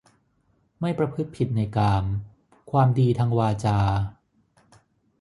ไม่ประพฤติผิดในกาม ความดีทางวาจา